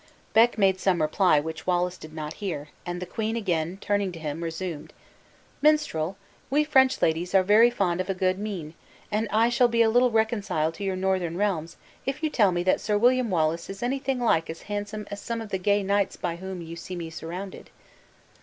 Beck made some reply which Wallace did not hear, and the queen again turning to him resumed: "Minstrel, we French ladies are very fond of a good mien; and I shall be a little reconciled to your northern realms if you tell me that Sir William Wallace is anything like as handsome as some of the gay knights by whom you see me surrounded."